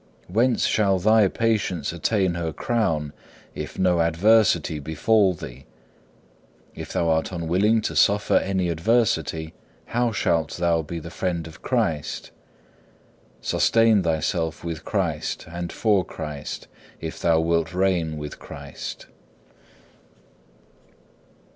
Whence shall thy patience attain her crown if no adversity befall thee? If thou art unwilling to suffer any adversity, how shalt thou be the friend of Christ? Sustain thyself with Christ and for Christ if thou wilt reign with Christ.